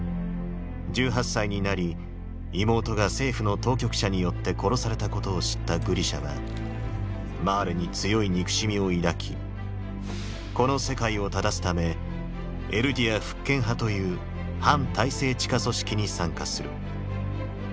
１８歳になり妹が政府の当局者によって殺されたことを知ったグリシャはマーレに強い憎しみを抱きこの世界を正すため「エルディア復権派」という反体制地下組織に参加する。